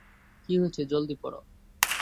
কী হয়েছে জলদি পড়ো?